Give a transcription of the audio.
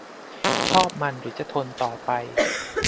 ชอบมันหรือจะทนต่อไป